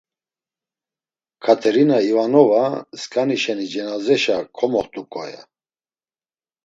Katerina İvanova, sǩani şeni cenazeşa komoxt̆uǩo, ya.